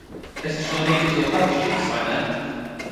Es taču no rīta uzvilku abas čības, vai ne?